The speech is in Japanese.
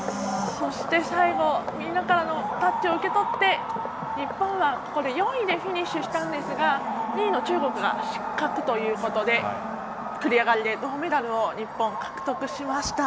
そして最後、タッチを受け取って日本は４位でフィニッシュしたんですが２位の中国が失格ということで繰り上がりで銅メダルを日本は獲得しました。